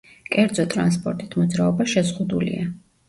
კერძო ტრანსპორტით მოძრაობა შეზღუდულია.